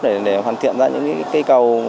để hoàn thiện ra những cái cây cầu